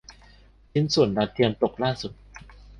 ชิ้นส่วนดาวเทียมตกล่าสุด